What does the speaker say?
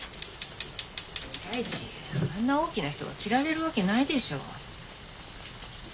第一あんな大きな人が着られるわけないでしょ。